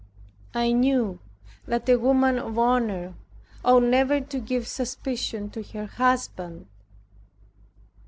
I knew that a woman of honor ought never to give suspicion to her husband.